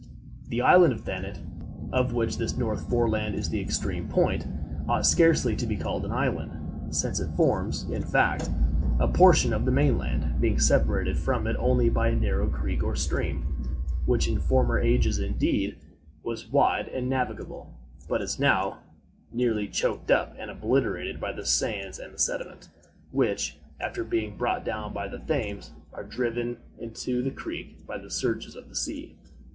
The island of Thanet, of which this North Foreland is the extreme point, ought scarcely to be called an island, since it forms, in fact, a portion of the main land, being separated from it only by a narrow creek or stream, which in former ages indeed, was wide and navigable, but is now nearly choked up and obliterated by the sands and the sediment, which, after being brought down by the Thames, are driven into the creek by the surges of the sea.